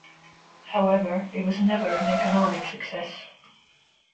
However, it was never an economic success.